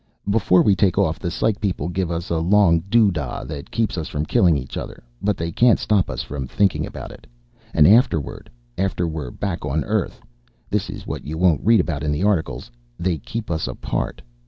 "Before we take off, the psych people give us a long doo da that keeps us from killing each other. But they can't stop us from thinking about it. And afterward, after we're back on Earth this is what you won't read about in the articles they keep us apart.